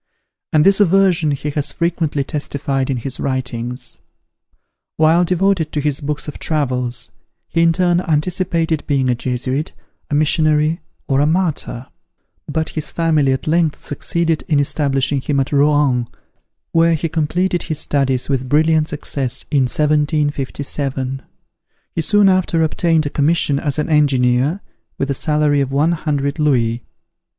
And this aversion he has frequently testified in his writings. While devoted to his books of travels, he in turn anticipated being a Jesuit, a missionary or a martyr; but his family at length succeeded in establishing him at Rouen, where he completed his studies with brilliant success, in 1757. He soon after obtained a commission as an engineer, with a salary of one hundred louis.